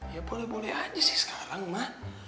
ya boleh boleh aja sih sekarang mak